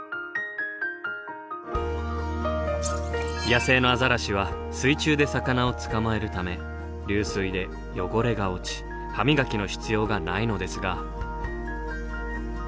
野生のアザラシは水中で魚を捕まえるため流水で汚れが落ち歯磨きの必要がないのですが。